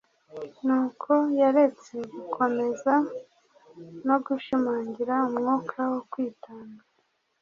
ni uko yaretse gukomeza no gushimangira umwuka wo kwitanga